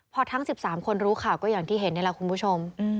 พอทั้ง๑๓คนรู้ข่าวก็อย่างที่เห็นนี่แหละคุณผู้ชม